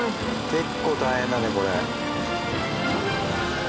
結構大変だねこれ。